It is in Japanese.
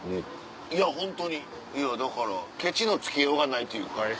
いやホントにいやだからケチのつけようがないというか。